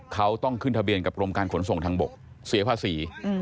เขาต้องขึ้นทะเบียนกับกรมการขนส่งทางบกเสียภาษี